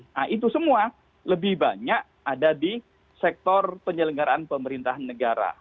nah itu semua lebih banyak ada di sektor penyelenggaraan pemerintahan negara